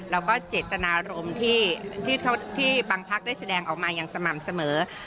แล้วก็เจตนารมณ์ที่บางพักได้แสดงออกมาอย่างสม่ำเสมอ